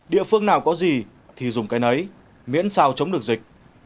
địa phương nào có gì thì dùng cái ấy miễn sao chống được dịch